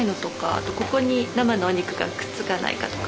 あとここに生のお肉がくっつかないかとか。